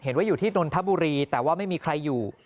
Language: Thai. เห็นว่าอยู่ที่นนทบุรีแต่ว่าไม่มีใครอยู่